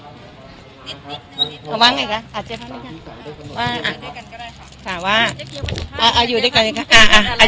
ทั้งนี้ค่ะว่าอ่ะอยู่ด้วยกันก็ได้ค่ะสาวะอ่ะอยู่ด้วยกันเลยค่ะอ่าอ่ะ